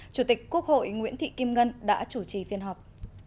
chủ tịch quốc hội nguyễn thị kim ngân đã chủ trì phiên họp